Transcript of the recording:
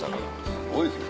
すごいですね。